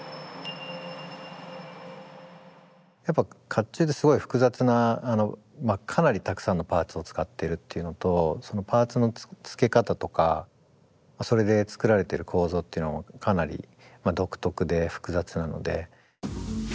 やっぱ甲冑ってすごい複雑なかなりたくさんのパーツを使ってるっていうのとそのパーツの付け方とかそれで作られてる構造っていうのもかなり独特で複雑なので。